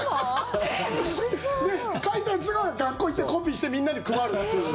書いたやつが学校行ってコピーしてみんなに配るという。